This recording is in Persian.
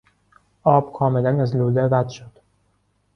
آب کاملا از لوله رد شد.